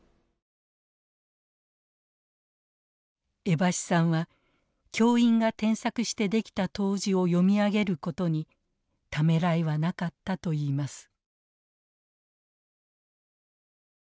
江橋さんは教員が添削して出来た答辞を読み上げることにためらいはなかったといいます。